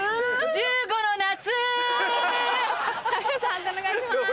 判定お願いします。